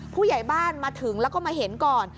ผู้ใหญ่บ้านมาถึงแล้วก็มาเห็นก่อน